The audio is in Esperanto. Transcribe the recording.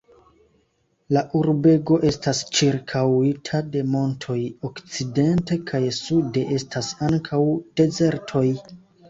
La urbego estas ĉirkaŭita de montoj, okcidente kaj sude estas ankaŭ dezertoj.